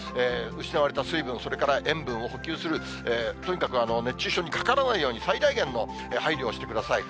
失われた水分、それから塩分を補給する、とにかく熱中症にかからないように、最大限の配慮をしてください。